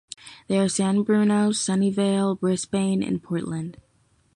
They are San Bruno, Sunnyvale, Brisbane, and Portland.